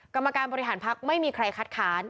กรรมการบริหารพักไม่มีใครคัดค้าน